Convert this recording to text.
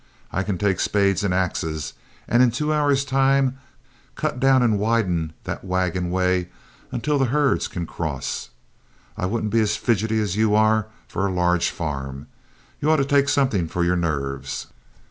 I can take spades and axes, and in two hours' time cut down and widen that wagon way until the herds can cross. I wouldn't be as fidgety as you are for a large farm. You ought to take something for your nerves."